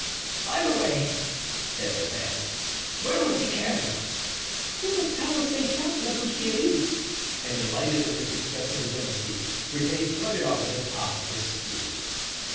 "By the way," said Bazin, "where was he carried?" "To the tower Saint Jacques la Boucherie;" and delighted with the success of his embassy, Friquet started off at the top of his speed.